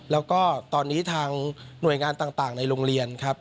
แล้วก็ตอนนี้ทางหน่วยงานต่างในโรงเรียนครับ